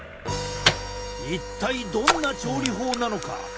一体どんな調理法なのか？